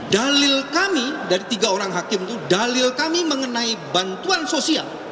dalil kami dari tiga orang hakim itu dalil kami mengenai bantuan sosial